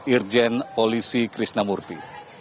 irjen polisi krisnamurti